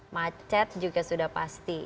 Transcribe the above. macet juga sudah pasti